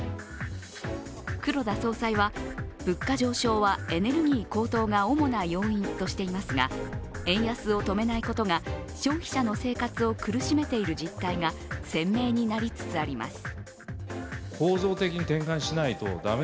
黒田総裁は、物価上昇はエネルギー高騰が主な要因としていますが円安を止めないことが消費者の生活を苦しめている実態が鮮明になりつつあります。